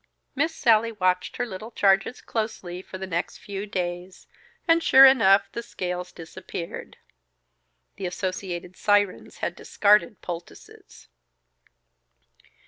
Miss Sallie watched her little charges closely for the next few days; and sure enough, the scales disappeared. (The Associated Sirens had discarded poultices.)